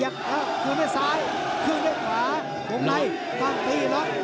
ขึ้นให้ซ้ายขึ้นให้ขวาผมในตั้งตีแล้ว